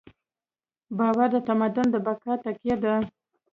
باور د تمدن د بقا تکیه ده.